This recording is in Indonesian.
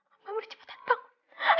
pak mir cepetan bangun